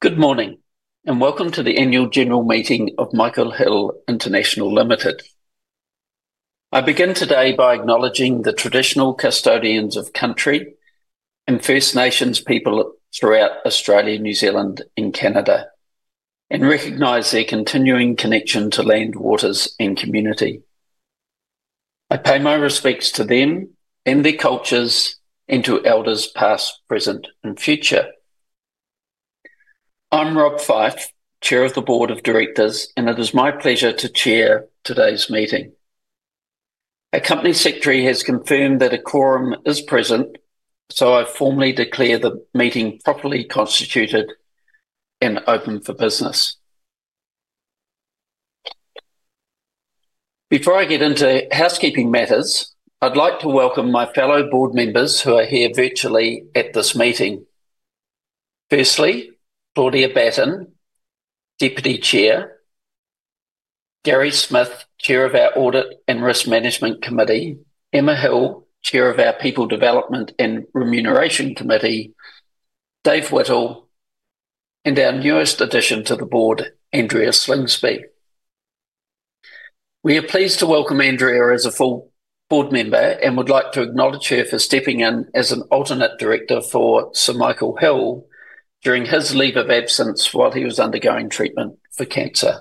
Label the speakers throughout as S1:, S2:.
S1: Good morning and welcome to the Annual General Meeting of Michael Hill International Limited. I begin today by acknowledging the traditional custodians of country and First Nations people throughout Australia, New Zealand, and Canada, and recognize their continuing connection to Land, Waters, and Community. I pay my respects to them and their cultures, and to elders past, present, and future. I'm Rob Fyfe, Chair of the Board of Directors, and it is my pleasure to chair today's meeting. Our Company Secretary has confirmed that a quorum is present, so I formally declare the meeting properly constituted and open for business. Before I get into housekeeping matters, I'd like to welcome my fellow board members who are here virtually at this meeting. Firstly, Claudia Batten, Deputy Chair; Gary Smith, Chair of our Audit and Risk Management Committee; Emma Hill, Chair of our People Development and Remuneration Committee; Dave Whittle; and our newest addition to the Board, Andrea Slingsby. We are pleased to welcome Andrea as a full Board Member and would like to acknowledge her for stepping in as an alternate director for Sir Michael Hill during his leave of absence while he was undergoing treatment for cancer.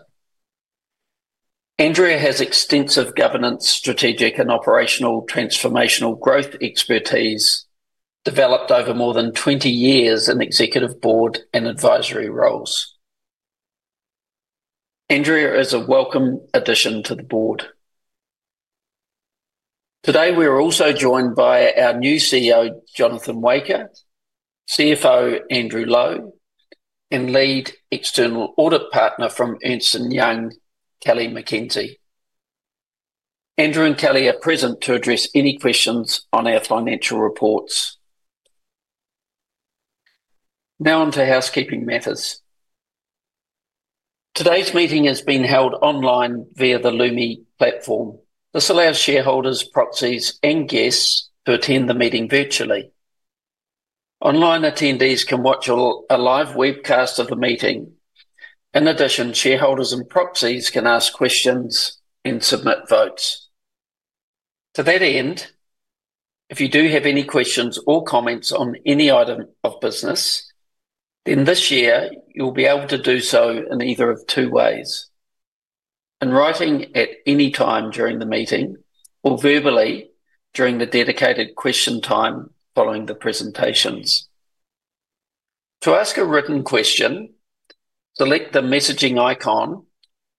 S1: Andrea has extensive governance, strategic, and operational transformational growth expertise developed over more than 20 years in Executive Board and Advisory roles. Andrea is a welcome addition to the Board. Today we are also joined by our new CEO, Jonathan Waecker, CFO, Andrew Lowe, and Lead External Audit Partner from Ernst & Young, Kellie McKenzie. Andrew and Kellie are present to address any questions on our financial reports. Now on to housekeeping matters. Today's meeting is being held online via the Lumi Platform. This allows shareholders, proxies, and guests to attend the meeting virtually. Online attendees can watch a live webcast of the meeting. In addition, shareholders and proxies can ask questions and submit votes. To that end, if you do have any questions or comments on any item of business, then this year you'll be able to do so in either of two ways: in writing at any time during the meeting or verbally during the dedicated question time following the presentations. To ask a written question, select the messaging icon,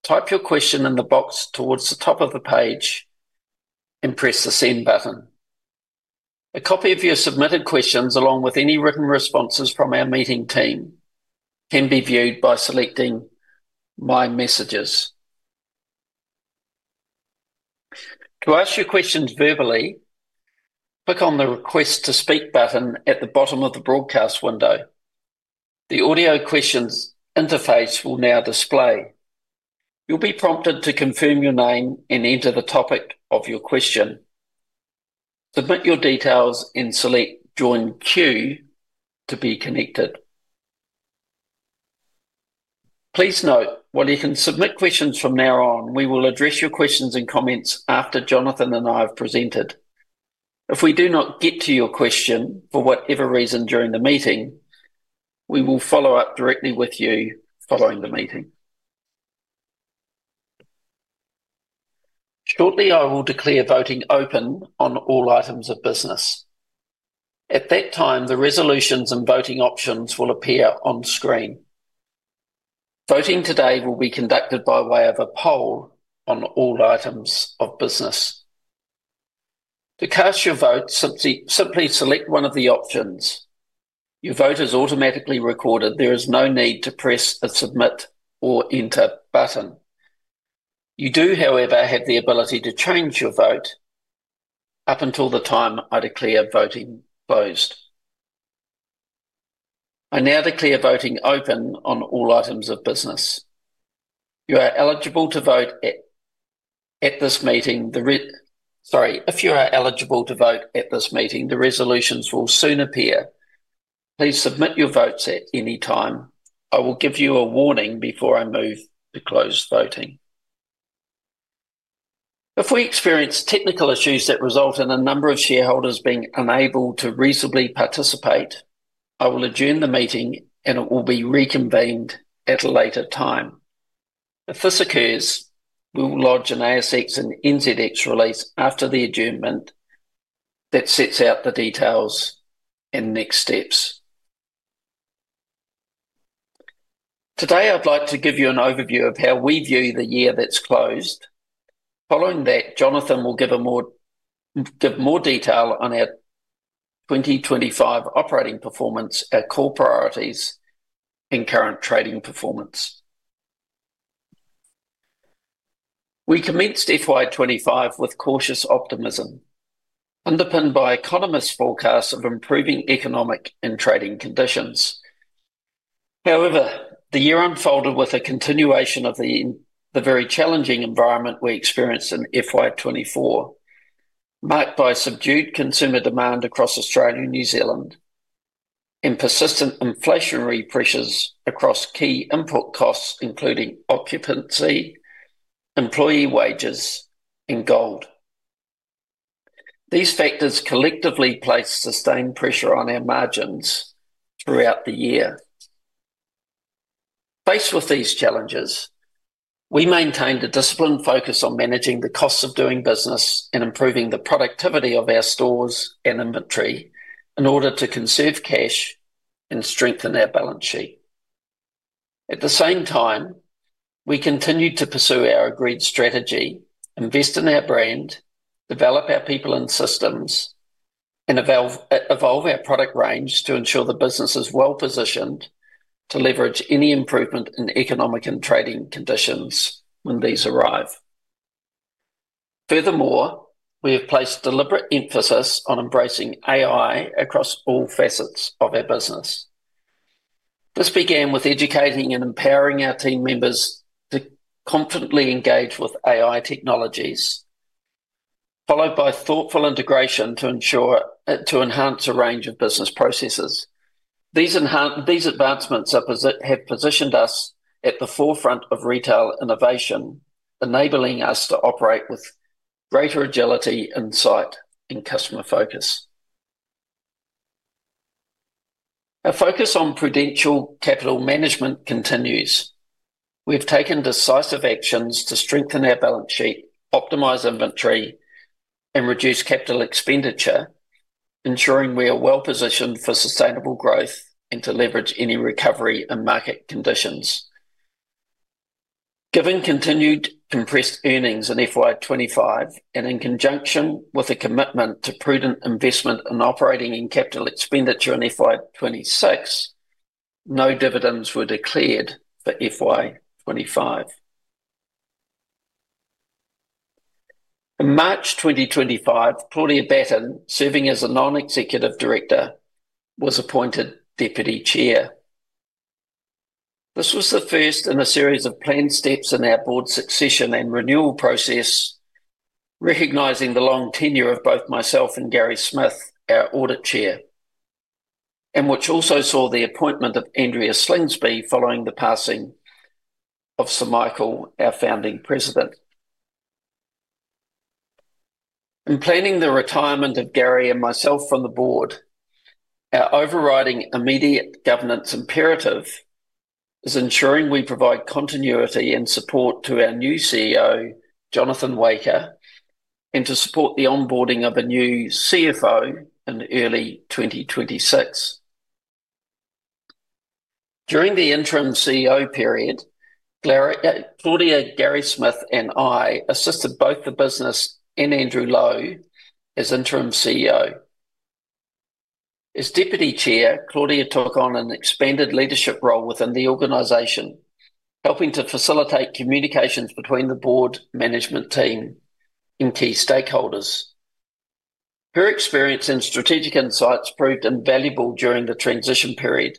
S1: type your question in the box towards the top of the page, and press the Send button. A copy of your submitted questions, along with any written responses from our meeting team, can be viewed by selecting My Messages. To ask your questions verbally, click on the Request to Speak button at the bottom of the broadcast window. The audio questions interface will now display. You'll be prompted to confirm your name and enter the topic of your question. Submit your details and select Join Queue to be connected. Please note, while you can submit questions from now on, we will address your questions and comments after Jonathan and I have presented. If we do not get to your question for whatever reason during the meeting, we will follow up directly with you following the meeting. Shortly, I will declare voting open on all items of business. At that time, the resolutions and voting options will appear on screen. Voting today will be conducted by way of a poll on all items of business. To cast your vote, simply select one of the options. Your vote is automatically recorded. There is no need to press a Submit or Enter button. You do, however, have the ability to change your vote up until the time I declare voting closed. I now declare voting open on all items of business. You are eligible to vote at this meeting; the resolutions will soon appear. Please submit your votes at any time. I will give you a warning before I move to close voting. If we experience technical issues that result in a number of shareholders being unable to reasonably participate, I will adjourn the meeting and it will be reconvened at a later time. If this occurs, we will launch an ASX and NZX release after the adjournment that sets out the details and next steps. Today, I'd like to give you an overview of how we view the year that's closed. Following that, Jonathan will give more detail on our 2025 operating performance, our core priorities, and current trading performance. We commenced FY 2025 with cautious optimism, underpinned by economists' forecasts of improving economic and trading conditions. However, the year unfolded with a continuation of the very challenging environment we experienced in FY 2024, marked by subdued consumer demand across Australia and New Zealand and persistent inflationary pressures across key input costs, including occupancy, employee wages, and gold. These factors collectively placed sustained pressure on our margins throughout the year. Faced with these challenges, we maintained a disciplined focus on managing the costs of doing business and improving the productivity of our stores and inventory in order to conserve cash and strengthen our balance sheet. At the same time, we continued to pursue our agreed strategy, invest in our brand, develop our people and systems, and evolve our product range to ensure the business is well positioned to leverage any improvement in economic and trading conditions when these arrive. Furthermore, we have placed deliberate emphasis on embracing AI across all facets of our business. This began with educating and empowering our team members to confidently engage with AI technologies, followed by thoughtful integration to enhance a range of business processes. These advancements have positioned us at the forefront of retail innovation, enabling us to operate with greater agility, insight, and customer focus. Our focus on prudent capital management continues. We have taken decisive actions to strengthen our balance sheet, optimize inventory, and reduce capital expenditure, ensuring we are well positioned for sustainable growth and to leverage any recovery in market conditions. Given continued compressed earnings in FY 2025, and in conjunction with a commitment to prudent investment and operating in capital expenditure in FY 2026, no dividends were declared for FY 2025. In March 2025, Claudia Batten, serving as a Non-Executive Director, was appointed Deputy Chair. This was the first in a series of planned steps in our Board succession and renewal process, recognizing the long tenure of both myself and Gary Smith, our Audit Chair, and which also saw the appointment of Andrea Slingsby following the passing of Sir Michael Hill, our founding president. In planning the retirement of Gary and myself from the board, our overriding immediate governance imperative is ensuring we provide continuity and support to our new CEO, Jonathan Waecker, and to support the onboarding of a new CFO in early 2026. During the interim CEO period, Claudia, Gary Smith, and I assisted both the business and Andrew Lowe as Interim CEO. As Deputy Chair, Claudia took on an expanded leadership role within the organization, helping to facilitate communications between the Board, Management Team, and key stakeholders. Her experience and strategic insights proved invaluable during the transition period,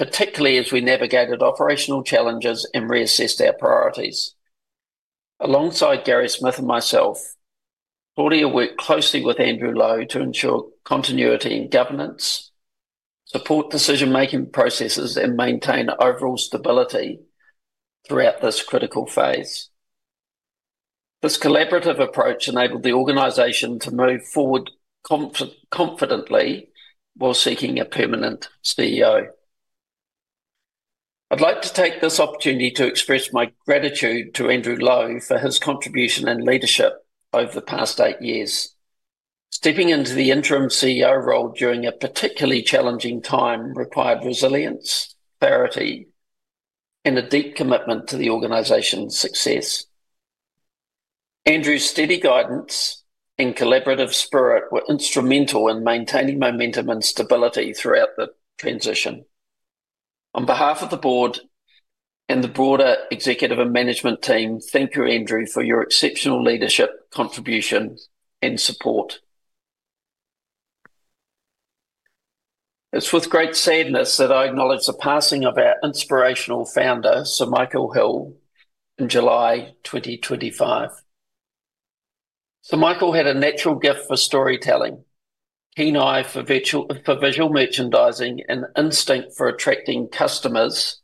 S1: particularly as we navigated operational challenges and reassessed our priorities. Alongside Gary Smith and myself, Claudia worked closely with Andrew Lowe to ensure continuity in governance, support decision-making processes, and maintain overall stability throughout this critical phase. This collaborative approach enabled the organization to move forward confidently while seeking a permanent CEO. I'd like to take this opportunity to express my gratitude to Andrew Lowe for his contribution and leadership over the past eight years. Stepping into the interim CEO role during a particularly challenging time required resilience, clarity, and a deep commitment to the organization's success. Andrew's steady guidance and collaborative spirit were instrumental in maintaining momentum and stability throughout the transition. On behalf of the Board and the broader Executive and Management Team, thank you, Andrew, for your exceptional leadership, contribution, and support. It's with great sadness that I acknowledge the passing of our inspirational founder, Sir Michael Hill, in July 2025. Sir Michael had a natural gift for storytelling, a keen eye for visual merchandising, an instinct for attracting customers,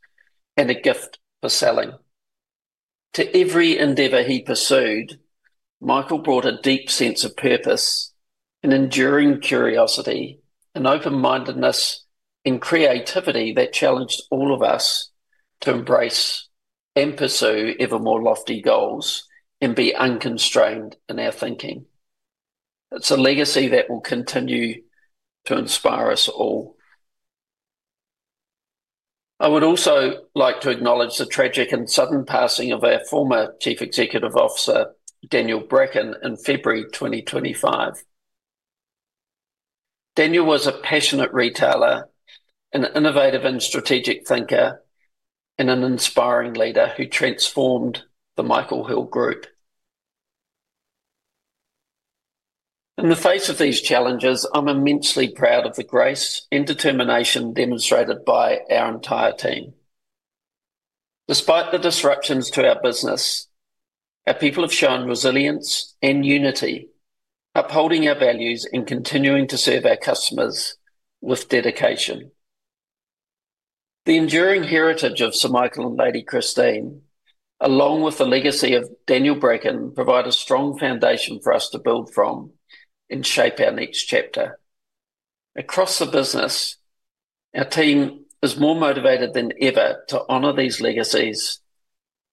S1: and a gift for selling. To every endeavor he pursued, Michael brought a deep sense of purpose, an enduring curiosity, an open-mindedness, and creativity that challenged all of us to embrace and pursue ever more lofty goals and be unconstrained in our thinking. It's a legacy that will continue to inspire us all. I would also like to acknowledge the tragic and sudden passing of our former Chief Executive Officer, Daniel Bracken, in February 2025. Daniel was a passionate retailer, an innovative and strategic thinker, and an inspiring leader who transformed the Michael Hill Group. In the face of these challenges, I'm immensely proud of the grace and determination demonstrated by our entire team. Despite the disruptions to our business, our people have shown resilience and unity, upholding our values and continuing to serve our customers with dedication. The enduring heritage of Sir Michael and Lady Christine, along with the legacy of Daniel Bracken, provide a strong foundation for us to build from and shape our next chapter. Across the business, our team is more motivated than ever to honor these legacies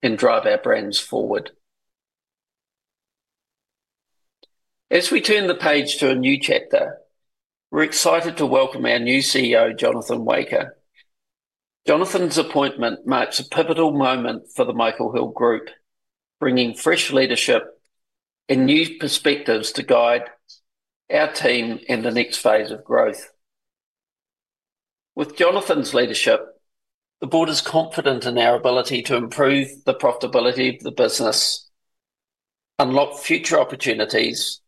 S1: and drive our brands forward. As we turn the page to a new chapter, we're excited to welcome our new CEO, Jonathan Waecker. Jonathan's appointment marks a pivotal moment for the Michael Hill Group, bringing fresh leadership and new perspectives to guide our team in the next phase of growth. With Jonathan's leadership, the Board is confident in our ability to improve the profitability of the business, unlock future opportunities,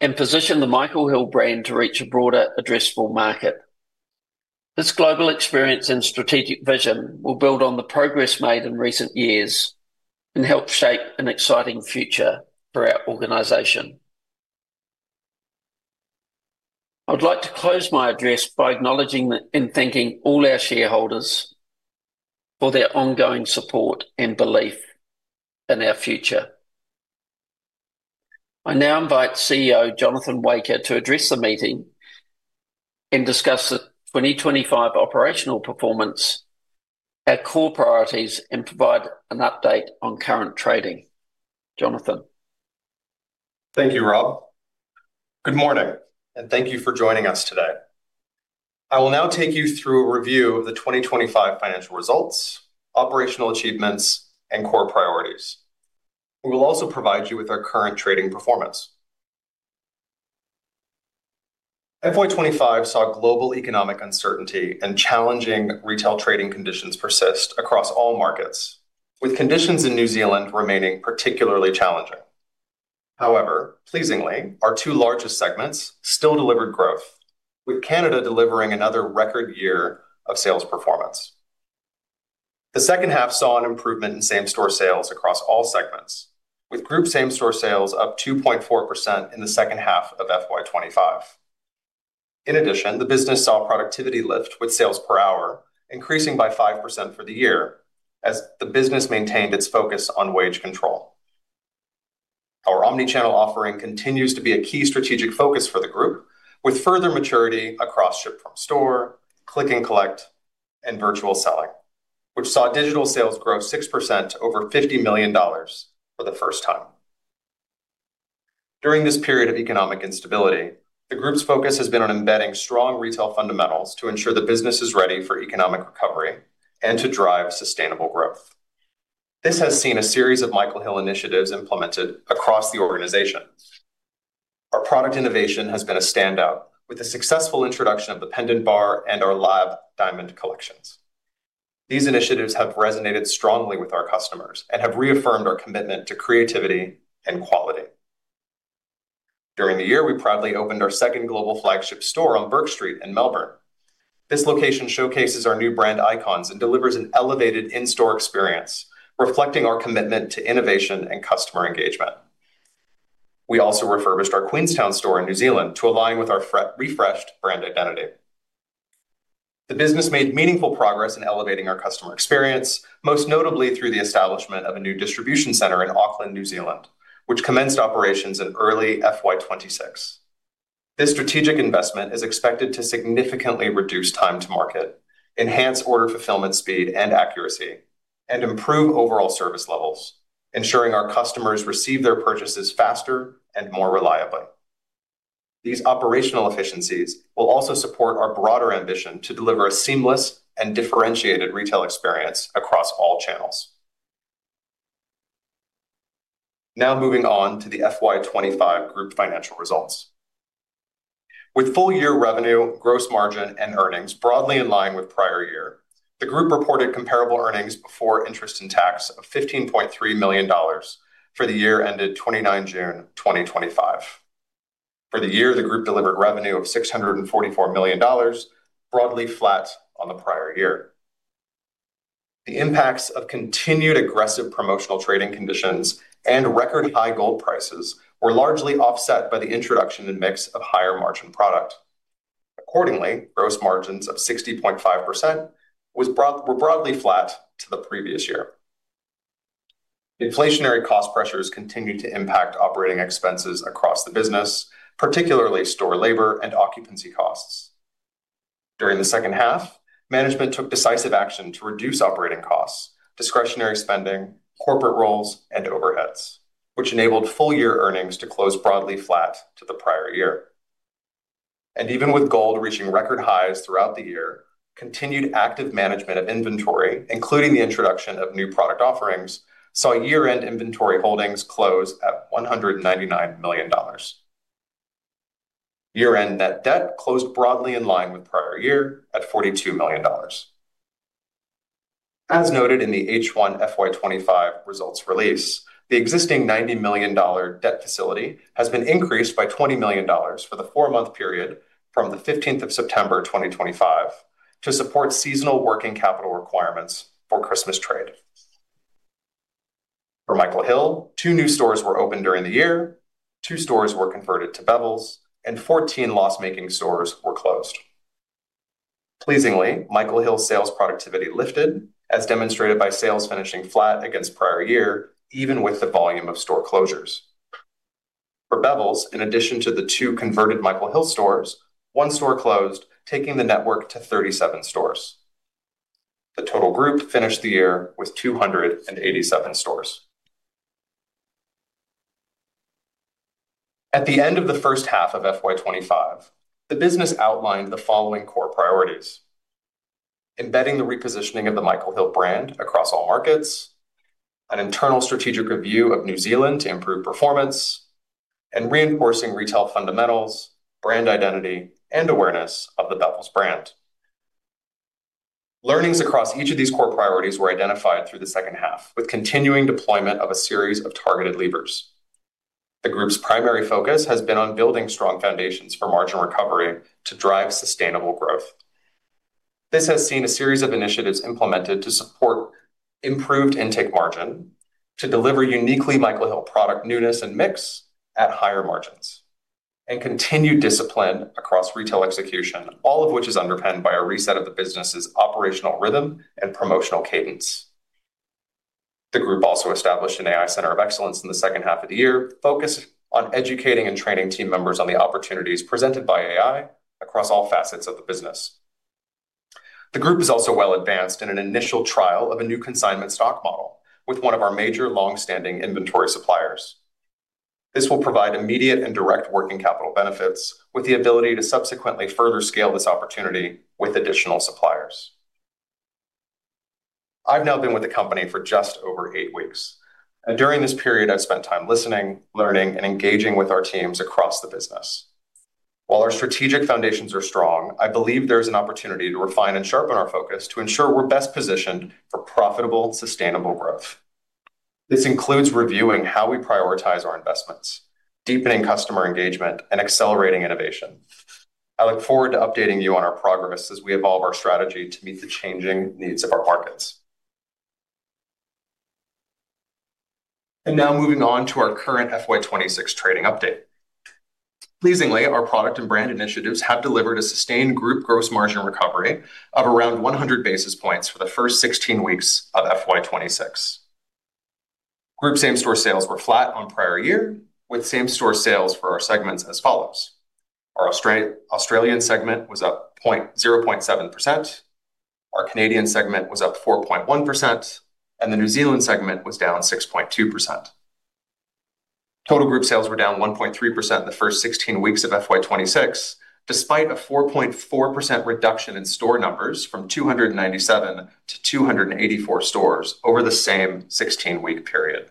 S1: and position the Michael Hill brand to reach a broader, addressable market. His global experience and strategic vision will build on the progress made in recent years and help shape an exciting future for our organization. I would like to close my address by acknowledging and thanking all our shareholders for their ongoing support and belief in our future. I now invite CEO Jonathan Waecker to address the meeting and discuss the 2025 operational performance, our core priorities, and provide an update on current trading. Jonathan.
S2: Thank you, Rob. Good morning, and thank you for joining us today. I will now take you through a review of the 2025 financial results, operational achievements, and core priorities. We will also provide you with our current trading performance. FY 2025 saw global economic uncertainty and challenging retail trading conditions persist across all markets, with conditions in New Zealand remaining particularly challenging. However, pleasingly, our two largest segments still delivered growth, with Canada delivering another record year of sales performance. The second half saw an improvement in same-store sales across all segments, with group same-store sales up 2.4% in the second half of FY 2025. In addition, the business saw a productivity lift with sales per hour, increasing by 5% for the year, as the business maintained its focus on wage control. Our omnichannel offering continues to be a key strategic focus for the group, with further maturity across ship from store, click and collect, and virtual selling, which saw digital sales grow 6% to over $50 million for the first time. During this period of economic instability, the group's focus has been on embedding strong retail fundamentals to ensure the business is ready for economic recovery and to drive sustainable growth. This has seen a series of Michael Hill initiatives implemented across the organization. Our product innovation has been a standout, with a successful introduction of the Pendant Bar and our live diamond collections. These initiatives have resonated strongly with our customers and have reaffirmed our commitment to creativity and quality. During the year, we proudly opened our second global flagship store on Burke Street in Melbourne. This location showcases our new brand icons and delivers an elevated in-store experience, reflecting our commitment to innovation and customer engagement. We also refurbished our Queenstown store in New Zealand to align with our refreshed brand identity. The business made meaningful progress in elevating our customer experience, most notably through the establishment of a new distribution center in Auckland, New Zealand, which commenced operations in early FY 2026. This strategic investment is expected to significantly reduce time to market, enhance order fulfillment speed and accuracy, and improve overall service levels, ensuring our customers receive their purchases faster and more reliably. These operational efficiencies will also support our broader ambition to deliver a seamless and differentiated retail experience across all channels. Now moving on to the FY 2025 group financial results. With full year revenue, gross margin, and earnings broadly in line with prior year, the group reported comparable EBIT of $15.3 million for the year ended 29 June 2025. For the year, the group delivered revenue of $644 million, broadly flat on the prior year. The impacts of continued aggressive promotional trading conditions and record high gold prices were largely offset by the introduction and mix of higher-margin product. Accordingly, gross margins of 60.5% were broadly flat to the previous year. Inflationary cost pressures continued to impact operating expenses across the business, particularly store labor and occupancy costs. During the second half, management took decisive action to reduce operating costs, discretionary spending, corporate roles, and overheads, which enabled full year earnings to close broadly flat to the prior year. Even with gold reaching record highs throughout the year, continued active management of inventory, including the introduction of new product offerings, saw year-end inventory holdings close at $199 million. Year-end net debt closed broadly in line with prior year at $42 million. As noted in the H1 FY 2025 results release, the existing $90 million debt facility has been increased by $20 million for the four-month period from the 15th of September 2025 to support seasonal working capital requirements for Christmas trade. For Michael Hill, two new stores were opened during the year, two stores were converted to Bevels, and 14 loss-making stores were closed. Pleasingly, Michael Hill sales productivity lifted, as demonstrated by sales finishing flat against prior year, even with the volume of store closures. For Bevels, in addition to the two converted Michael Hill stores, one store closed, taking the network to 37 stores. The total group finished the year with 287 stores. At the end of the first half of FY 2025, the business outlined the following core priorities: embedding the repositioning of the Michael Hill brand across all markets, an internal strategic review of New Zealand to improve performance, and reinforcing retail fundamentals, brand identity, and awareness of the Bevels brand. Learnings across each of these core priorities were identified through the second half, with continuing deployment of a series of targeted levers. The group's primary focus has been on building strong foundations for margin recovery to drive sustainable growth. This has seen a series of initiatives implemented to support improved intake margin, to deliver uniquely Michael Hill product newness and mix at higher margins, and continued discipline across retail execution, all of which is underpinned by a reset of the business's operational rhythm and promotional cadence. The group also established an AI Centre of Excellence in the second half of the year, focused on educating and training team members on the opportunities presented by AI across all facets of the business. The group is also well advanced in an initial trial of a new consignment stock model with one of our major long-standing inventory suppliers. This will provide immediate and direct working capital benefits, with the ability to subsequently further scale this opportunity with additional suppliers. I've now been with the company for just over eight weeks, and during this period, I've spent time listening, learning, and engaging with our teams across the business. While our strategic foundations are strong, I believe there is an opportunity to refine and sharpen our focus to ensure we're best positioned for profitable, sustainable growth. This includes reviewing how we prioritize our investments, deepening customer engagement, and accelerating innovation. I look forward to updating you on our progress as we evolve our strategy to meet the changing needs of our markets. Now moving on to our current FY 2026 trading update. Pleasingly, our product and brand initiatives have delivered a sustained group gross margin recovery of around 100 basis points for the first 16 weeks of FY 2026. Group same-store sales were flat on prior year, with same-store sales for our segments as follows: our Australian segment was up 0.7%, our Canadian segment was up 4.1%, and the New Zealand segment was down 6.2%. Total group sales were down 1.3% in the first 16 weeks of FY 2026, despite a 4.4% reduction in store numbers from 297--284 stores over the same 16-week period.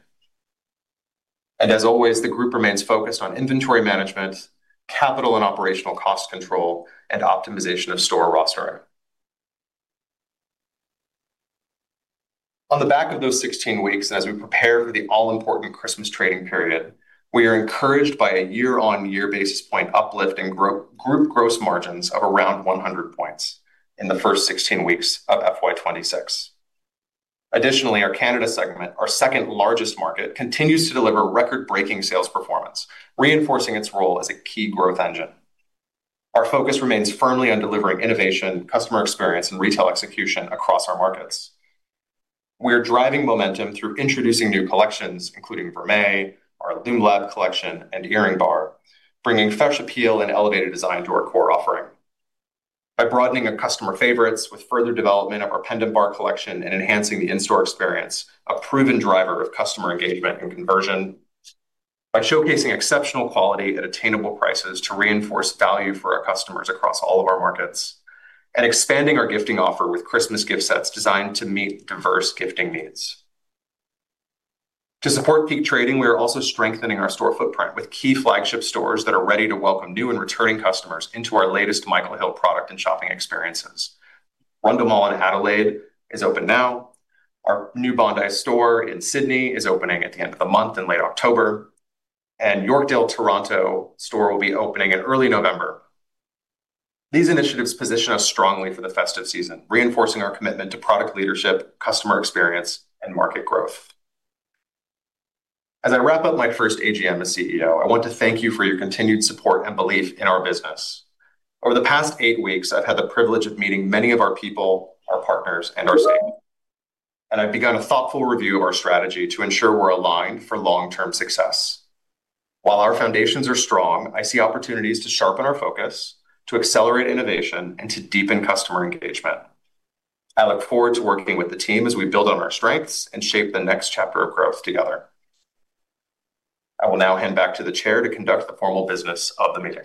S2: As always, the group remains focused on inventory management, capital and operational cost control, and optimization of store rostering. On the back of those 16 weeks, and as we prepare for the all-important Christmas trading period, we are encouraged by a year-on-year basis point uplift in group gross margins of around 100 points in the first 16 weeks of FY 2026. Additionally, our Canada segment, our second largest market, continues to deliver record-breaking sales performance, reinforcing its role as a key growth engine. Our focus remains firmly on delivering innovation, customer experience, and retail execution across our markets. We are driving momentum through introducing new collections, including Vermeil, our Lume LAB collection, and Earring Bar, bringing fresh appeal and elevated design to our core offering. By broadening our customer favorites with further development of our Pendant Bar collection and enhancing the in-store experience, a proven driver of customer engagement and conversion, by showcasing exceptional quality at attainable prices to reinforce value for our customers across all of our markets, and expanding our gifting offer with Christmas gift sets designed to meet diverse gifting needs. To support peak trading, we are also strengthening our store footprint with key flagship stores that are ready to welcome new and returning customers into our latest Michael Hill product and shopping experiences. Rundle Mall in Adelaide is open now. Our new Bondi store in Sydney is opening at the end of the month in late October, and Yorkdale Toronto store will be opening in early November. These initiatives position us strongly for the festive season, reinforcing our commitment to product leadership, customer experience, and market growth. As I wrap up my first AGM as CEO, I want to thank you for your continued support and belief in our business. Over the past eight weeks, I've had the privilege of meeting many of our people, our partners, and our stakeholders, and I've begun a thoughtful review of our strategy to ensure we're aligned for long-term success. While our foundations are strong, I see opportunities to sharpen our focus, to accelerate innovation, and to deepen customer engagement. I look forward to working with the team as we build on our strengths and shape the next chapter of growth together. I will now hand back to the Chair to conduct the formal business of the meeting.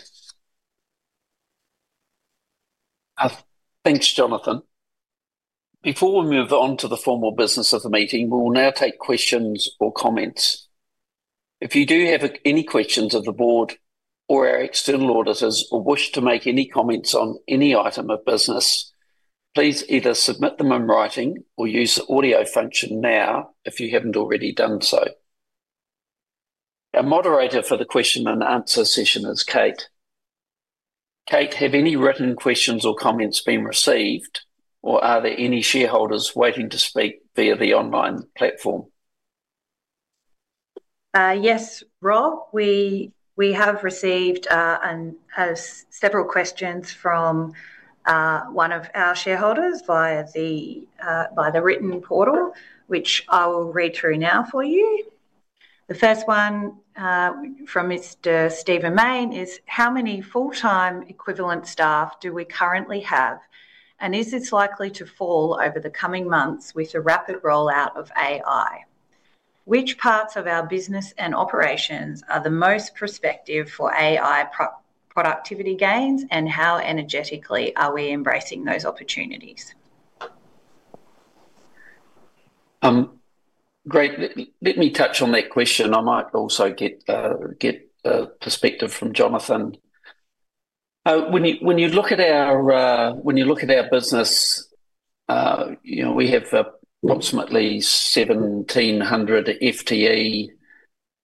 S1: Thanks, Jonathan. Before we move on to the formal business of the meeting, we will now take questions or comments. If you do have any questions of the Board or our external auditors or wish to make any comments on any item of business, please either submit them in writing or use the audio function now if you haven't already done so. Our moderator for the question-and-answer session is Kate. Kate, have any written questions or comments been received, or are there any shareholders waiting to speak via the online platform?
S3: Yes, Rob, we have received several questions from one of our shareholders via the written portal, which I will read through now for you. The first one from Mr. Stephen Main is, how many full-time equivalent staff do we currently have, and is this likely to fall over the coming months with the rapid rollout of AI? Which parts of our business and operations are the most prospective for AI productivity gains, and how energetically are we embracing those opportunities?
S1: Great. Let me touch on that question. I might also get a perspective from Jonathan. When you look at our business, we have approximately 1,700 FTE.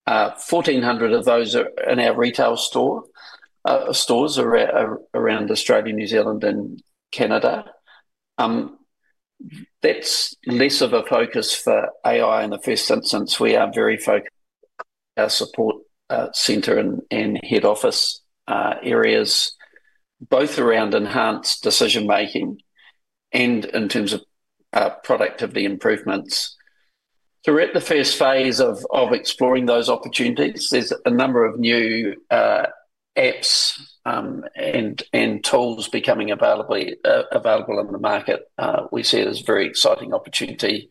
S1: 1,400 of those are in our retail stores. Stores are around Australia, New Zealand, and Canada. That's less of a focus for AI in the first instance. We are very focused on our support centre and head office areas, both around enhanced decision-making and in terms of productivity improvements. Throughout the first phase of exploring those opportunities, there's a number of new apps and tools becoming available in the market. We see it as a very exciting opportunity.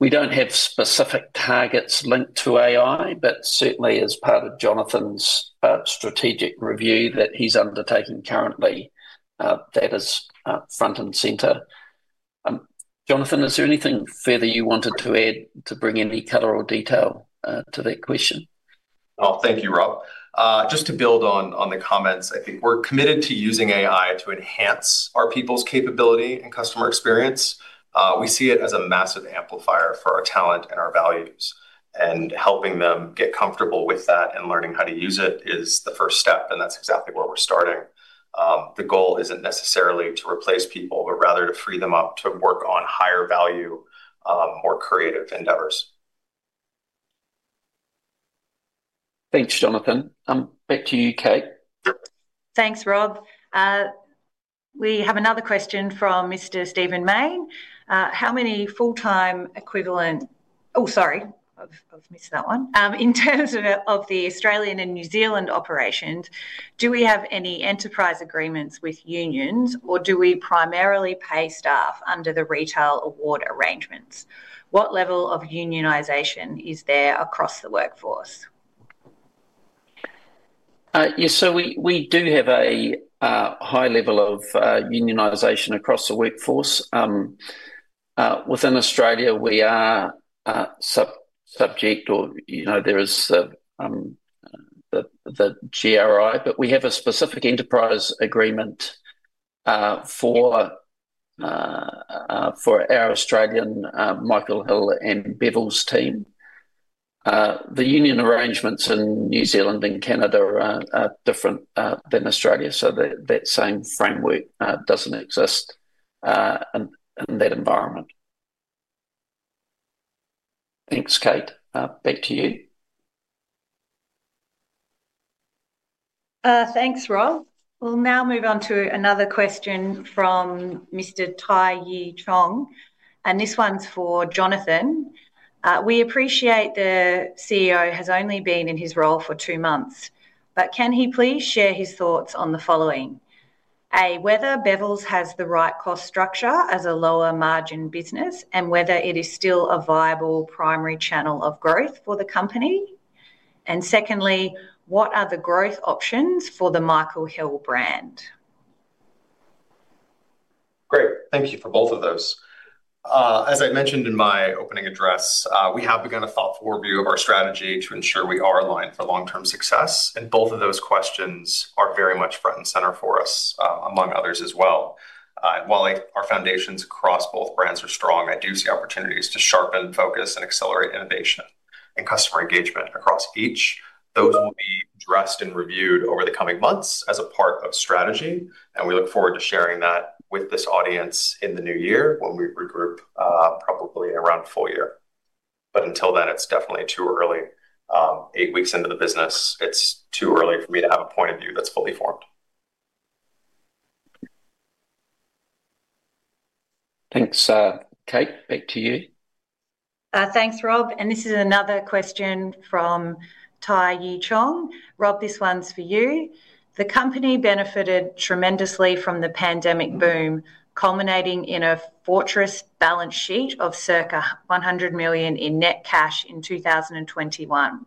S1: We don't have specific targets linked to AI, but certainly as part of Jonathan's strategic review that he's undertaking currently, that is front and centre. Jonathan, is there anything further you wanted to add to bring any color or detail to that question?
S2: Thank you, Rob. Just to build on the comments, I think we're committed to using AI to enhance our people's capability and customer experience. We see it as a massive amplifier for our talent and our values, and helping them get comfortable with that and learning how to use it is the first step. That's exactly where we're starting. The goal isn't necessarily to replace people, but rather to free them up to work on higher value, more creative endeavors.
S1: Thanks, Jonathan. Back to you, Kate.
S3: Sure. Thanks, Rob. We have another question from Mr. Stephen Main. In terms of the Australian and New Zealand operations, do we have any enterprise agreements with unions, or do we primarily pay staff under the retail award arrangements? What level of unionisation is there across the workforce?
S1: Yes, we do have a high level of unionization across the workforce. Within Australia, we are subject, or there is the GRI, but we have a specific enterprise agreement for our Australian Michael Hill and Bevels team. The union arrangements in New Zealand and Canada are different than Australia, so that same framework doesn't exist in that environment. Thanks, Kate. Back to you.
S3: Thanks, Rob. We'll now move on to another question from Mr. Tai Yi Chong, and this one's for Jonathan. We appreciate the CEO has only been in his role for two months, but can he please share his thoughts on the following: A, whether Bevels has the right cost structure as a lower margin business and whether it is still a viable primary channel of growth for the company? Secondly, what are the growth options for the Michael Hill brand?
S2: Great. Thank you for both of those. As I mentioned in my opening address, we have begun a thoughtful review of our strategy to ensure we are aligned for long-term success, and both of those questions are very much front and center for us, among others as well. While our foundations across both brands are strong, I do see opportunities to sharpen, focus, and accelerate innovation and customer engagement across each. Those will be addressed and reviewed over the coming months as a part of strategy, and we look forward to sharing that with this audience in the new year when we regroup probably in around full year. Until then, it's definitely too early. Eight weeks into the business, it's too early for me to have a point of view that's fully formed.
S1: Thanks, Kate. Back to you.
S3: Thanks, Rob. This is another question from Tai Yi Chong. Rob, this one's for you. The company benefited tremendously from the pandemic boom, culminating in a fortress balance sheet of circa $100 million in net cash in 2021.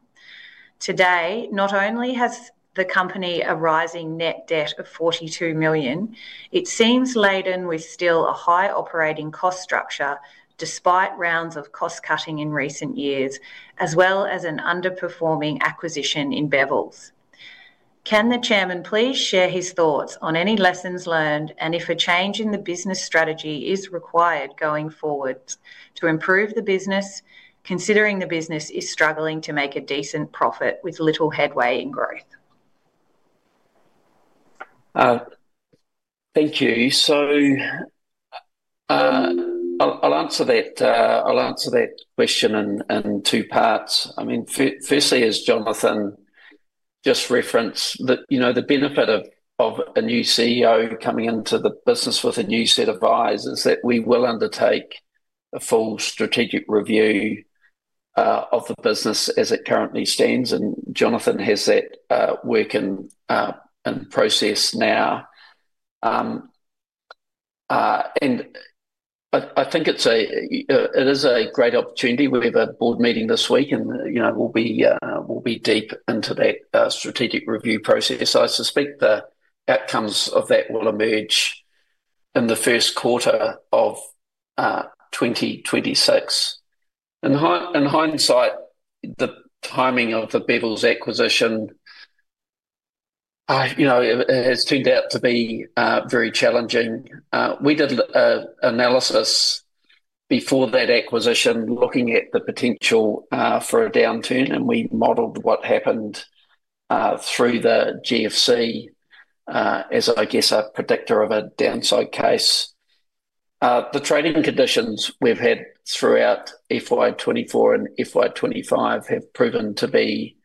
S3: Today, not only has the company a rising net debt of $42 million, it seems laden with still a high operating cost structure despite rounds of cost cutting in recent years, as well as an underperforming acquisition in Bevels. Can the Chairman please share his thoughts on any lessons learned and if a change in the business strategy is required going forward to improve the business, considering the business is struggling to make a decent profit with little headway in growth?
S1: Thank you. I'll answer that question in two parts. Firstly, as Jonathan just referenced, the benefit of a new CEO coming into the business with a new set of eyes is that we will undertake a full strategic review of the business as it currently stands, and Jonathan has that work in process now. I think it is a great opportunity. We have a Board meeting this week, and we'll be deep into that strategic review process. I suspect the outcomes of that will emerge in the first quarter of 2026. In hindsight, the timing of the Bevels acquisition has turned out to be very challenging. We did an analysis before that acquisition, looking at the potential for a downturn, and we modeled what happened through the GFC as, I guess, a predictor of a downside case. The trading conditions we've had throughout FY 2024 and FY 2025 have proven to be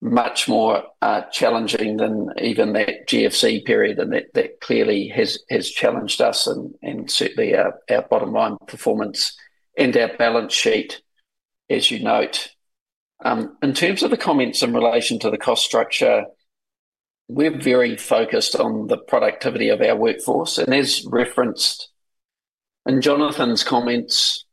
S1: much more challenging than even that GFC period, and that clearly has challenged us and certainly our bottom line performance and our balance sheet, as you note. In terms of the comments in relation to the cost structure, we're very focused on the productivity of our workforce, and as referenced in Jonathan's comments,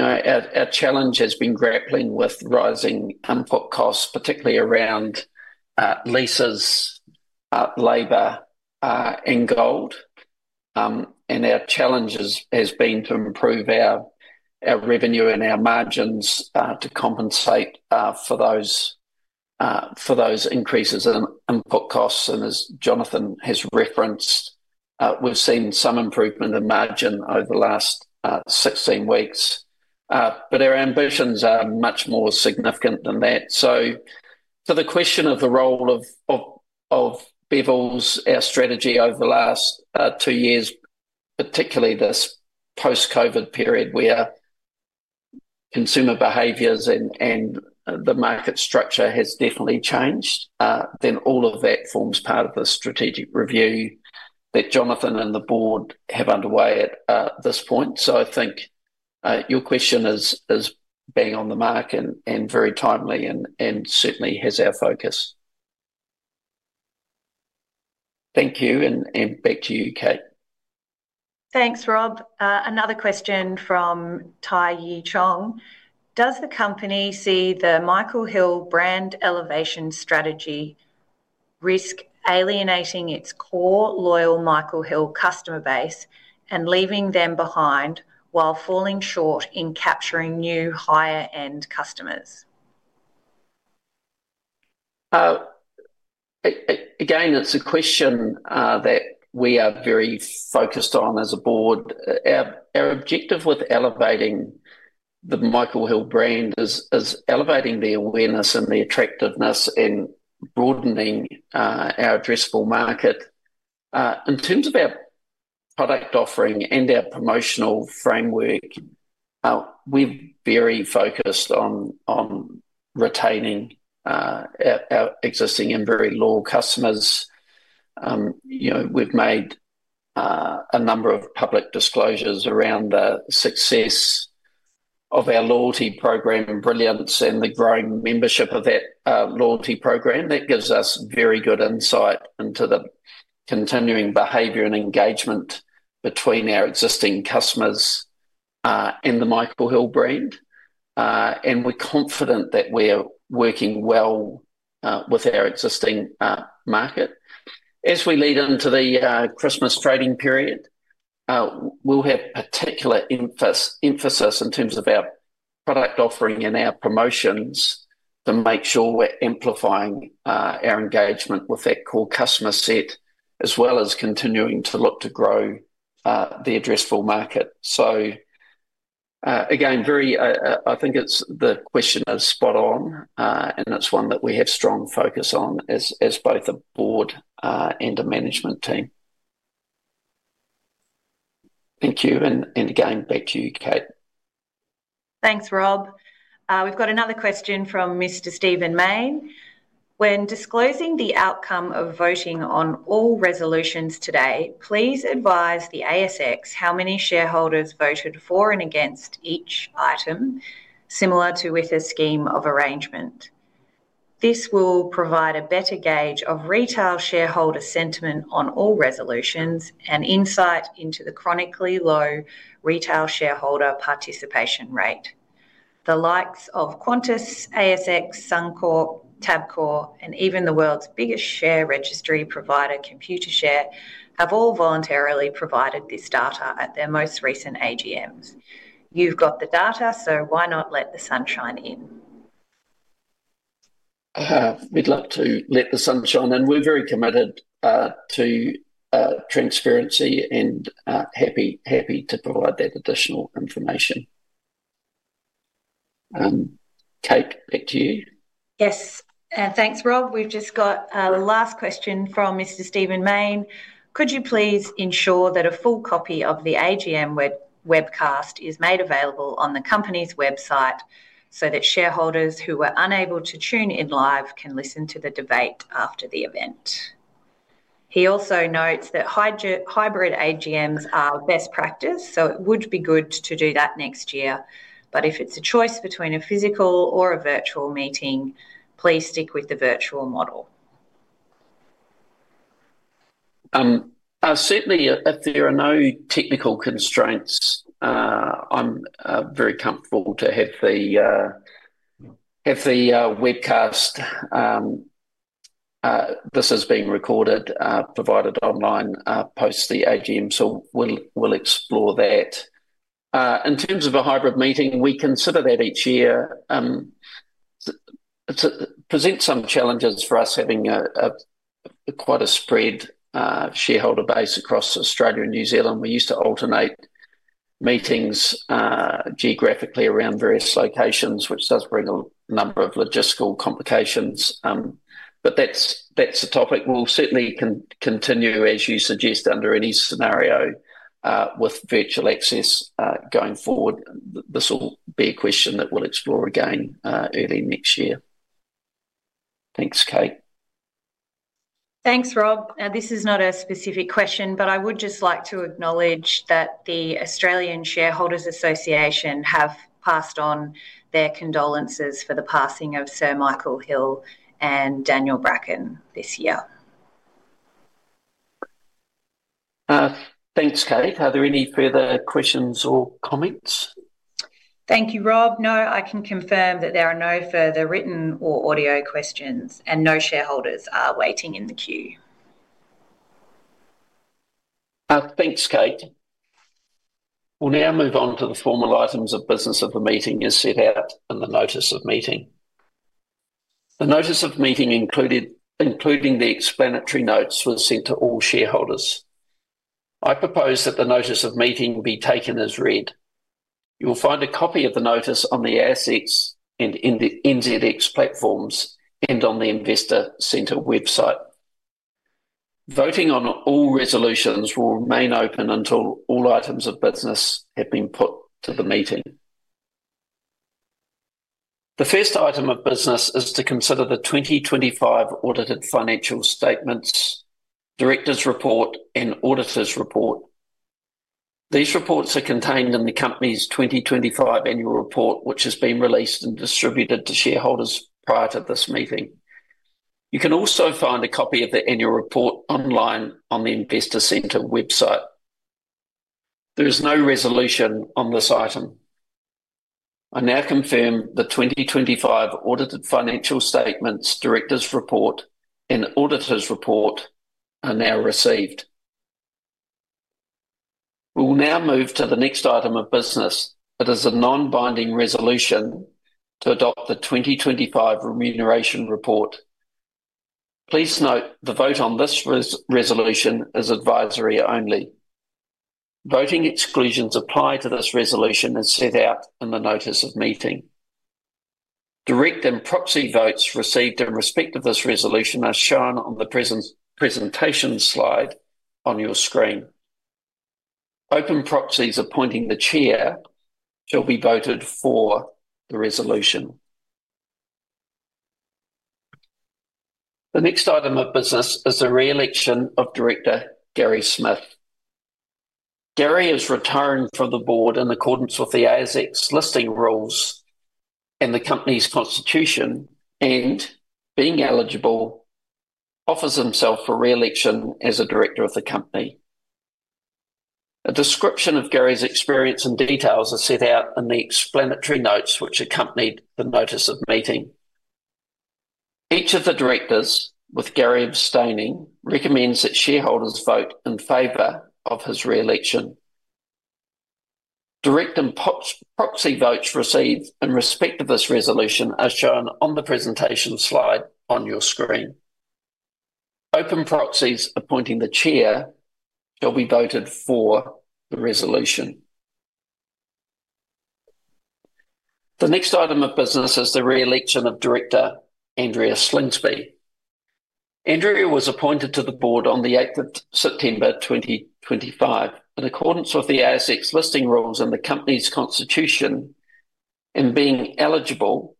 S1: our challenge has been grappling with rising input costs, particularly around Leases, Labor, and Gold. Our challenge has been to improve our revenue and our margins to compensate for those increases in input costs. As Jonathan has referenced, we've seen some improvement in margin over the last 16 weeks, but our ambitions are much more significant than that. To the question of the role of Bevels, our strategy over the last two years, particularly this post-COVID period where consumer behaviors and the market structure has definitely changed, all of that forms part of the strategic review that Jonathan and the Board have underway at this point. I think your question is bang on the mark and very timely and certainly has our focus. Thank you, and back to you, Kate.
S3: Thanks, Rob. Another question from Tai Yi Chong. Does the company see the Michael Hill brand elevation strategy risk alienating its core loyal Michael Hill customer base and leaving them behind while falling short in capturing new higher-end customers?
S1: Again, it's a question that we are very focused on as a Board. Our objective with elevating the Michael Hill brand is elevating the awareness and the attractiveness and broadening our addressable market. In terms of our product offering and our promotional framework, we're very focused on retaining our existing and very loyal customers. We've made a number of public disclosures around the success of our loyalty program, Brilliance, and the growing membership of that loyalty program. That gives us very good insight into the continuing behaviour and engagement between our existing customers and the Michael Hill brand. We're confident that we're working well with our existing market. As we lead into the Christmas trading period, we'll have particular emphasis in terms of our product offering and our promotions to make sure we're amplifying our engagement with that core customer set, as well as continuing to look to grow the addressable market. I think the question is spot on, and it's one that we have strong focus on as both a board and a management team. Thank you, and again, back to you, Kate.
S3: Thanks, Rob. We've got another question from Mr. Stephen Main. When disclosing the outcome of voting on all resolutions today, please advise the ASX how many shareholders voted for and against each item, similar to with a scheme of arrangement. This will provide a better gauge of retail shareholder sentiment on all resolutions and insight into the chronically low retail shareholder participation rate. The likes of Qantas, ASX, Suncorp, Tabcorp, and even the world's biggest share registry provider, Computershare, have all voluntarily provided this data at their most recent AGMs. You've got the data, so why not let the sunshine in?
S1: We'd like to let the sunshine in, and we're very committed to transparency and happy to provide that additional information. Kate, back to you.
S3: Yes, and thanks, Rob. We've just got a last question from Mr. Stephen Main. Could you please ensure that a full copy of the AGM webcast is made available on the company's website so that shareholders who are unable to tune in live can listen to the debate after the event? He also notes that hybrid AGMs are best practice, so it would be good to do that next year, but if it's a choice between a physical or a virtual meeting, please stick with the virtual model.
S1: Certainly, if there are no technical constraints, I'm very comfortable to have the webcast. This is being recorded, provided online post the AGM, so we'll explore that. In terms of a hybrid meeting, we consider that each year. It presents some challenges for us having quite a spread shareholder base across Australia and New Zealand. We used to alternate meetings geographically around various locations, which does bring a number of logistical complications. That's a topic we'll certainly continue, as you suggest, under any scenario with virtual access going forward. This will be a question that we'll explore again early next year. Thanks, Kate.
S3: Thanks, Rob. This is not a specific question, but I would just like to acknowledge that the Australian Shareholders' Association has passed on their condolences for the passing of Sir Michael Hill and Daniel Bracken this year.
S1: Thanks, Kate. Are there any further questions or comments?
S3: Thank you, Rob. No, I can confirm that there are no further written or audio questions, and no shareholders are waiting in the queue.
S1: Thanks, Kate. We'll now move on to the formal items of business of the meeting as set out in the notice of meeting. The notice of meeting, including the explanatory notes, was sent to all shareholders. I propose that the notice of meeting be taken as read. You will find a copy of the notice on the ASX and NZX platforms and on the Investor Centre website. Voting on all resolutions will remain open until all items of business have been put to the meeting. The first item of business is to consider the 2025 Audited Financial Statements, Director's Report, and Auditor's Report. These reports are contained in the company's 2025 Annual Report, which has been released and distributed to shareholders prior to this meeting. You can also find a copy of the Annual Report online on the Investor Centre website. There is no resolution on this item. I now confirm the 2025 Audited Financial Statements, Director's Report, and Auditor's Report are now received. We will now move to the next item of business. It is a non-binding resolution to adopt the 2025 Remuneration Report. Please note the vote on this resolution is advisory only. Voting exclusions apply to this resolution as set out in the notice of meeting. Direct and proxy votes received in respect of this resolution are shown on the presentation slide on your screen. Open proxies appointing the Chair shall be voted for the resolution. The next item of business is the re-election of Director Gary Smith. Gary has returned from the Board in accordance with the ASX listing rules and the company's constitution and, being eligible, offers himself for re-election as a Director of the company. A description of Gary's experience and details is set out in the explanatory notes which accompanied the notice of meeting. Each of the Directors, with Gary abstaining, recommends that shareholders vote in favor of his re-election. Direct and proxy votes received in respect of this resolution are shown on the presentation slide on your screen. Open proxies appointing the Chair shall be voted for the resolution. The next item of business is the re-election of Director Andrea Slingsby. Andrea was appointed to the board on the 8th of September 2025. In accordance with the ASX listing rules and the company's constitution and being eligible,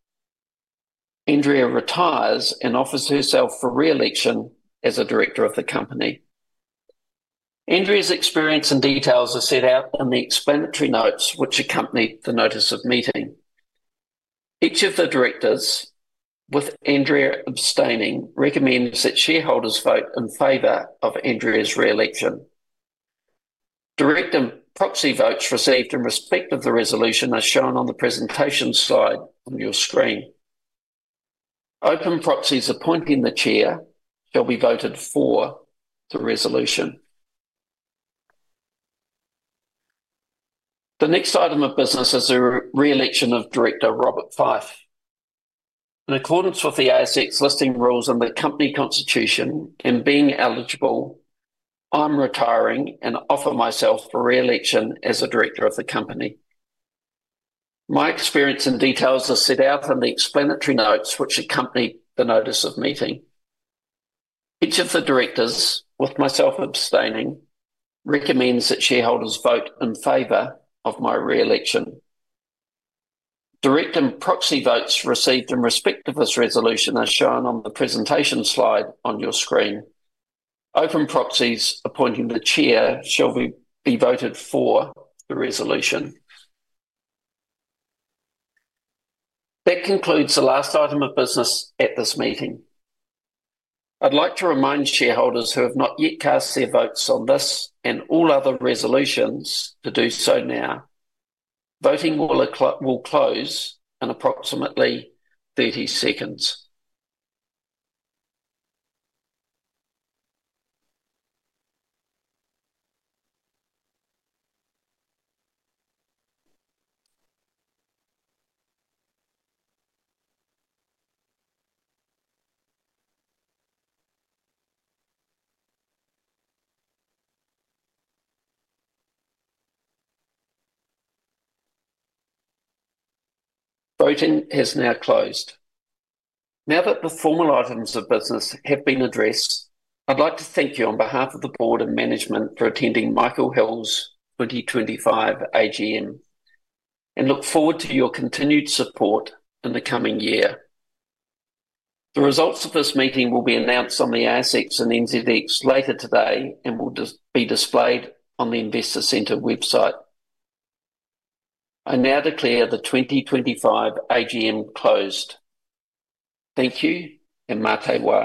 S1: Andrea retires and offers herself for re-election as a Director of the company. Andrea's experience and details are set out in the explanatory notes which accompany the notice of meeting. Each of the directors, with Andrea abstaining, recommends that shareholders vote in favor of Andrea's re-election. Direct and proxy votes received in respect of the resolution are shown on the presentation slide on your screen. Open proxies appointing the Chair shall be voted for the resolution. The next item of business is the re-election of Director Rob Fyfe. In accordance with the ASX listing rules and the company constitution and being eligible, I'm retiring and offer myself for re-election as a director of the company. My experience and details are set out in the explanatory notes which accompany the notice of meeting. Each of the directors, with myself abstaining, recommends that shareholders vote in favor of my re-election. Direct and proxy votes received in respect of this resolution are shown on the presentation slide on your screen. Open proxies appointing the Chair shall be voted for the resolution. That concludes the last item of business at this meeting. I'd like to remind shareholders who have not yet cast their votes on this and all other resolutions to do so now. Voting will close in approximately 30 seconds. Voting has now closed. Now that the formal items of business have been addressed, I'd like to thank you on behalf of the Board and Management for attending Michael Hill's 2025 AGM and look forward to your continued support in the coming year. The results of this meeting will be announced on the ASX and NZX later today and will be displayed on the Investor Centre website. I now declare the 2025 AGM closed. Thank you and mate wa.